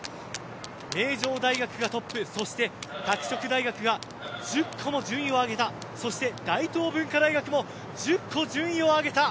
名城大学がトップ、そして拓殖大学が１０個も順位を上げた大東文化大学も１０個も順位を上げた。